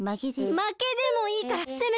まけでもいいからせめてたってて。